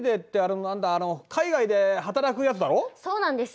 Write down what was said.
そうなんです。